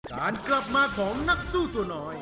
การกลับมาของนักสู้ตัวน้อย